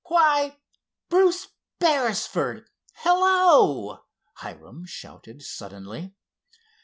"Why, Bruce Beresford, hello!" Hiram shouted suddenly.